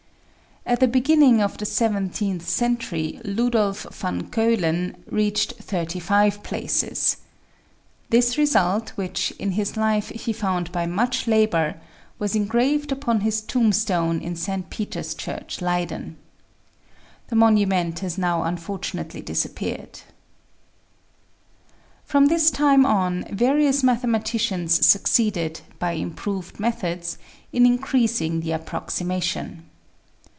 At the beginning of the seventeenth century, Ludolph VanCeulen reached 3 5 places. This result, which "in his life he found by much labor," was engraved upon his tombstone in St. Peter's Church, Leyden. The monu ment has now unfortunately disappeared. From this time on, various mathematicians succeeded, by improved methods, in increasing the approximation.